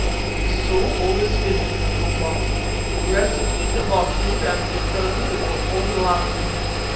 "If so, all is finished, O Komba. Rest, eat of our food and return to your own land."